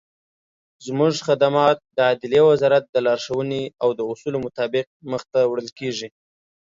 زموږخدمات دعدلیي وزارت دلارښووني او داصولو مطابق مخته وړل کیږي.